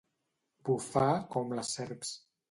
Bufar com les serps.